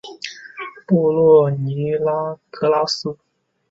布洛尼拉格拉斯。